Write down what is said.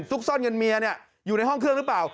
ซ่อนเงินเมียอยู่ในห้องเครื่องหรือเปล่า